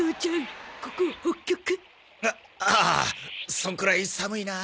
そのくらい寒いなあ。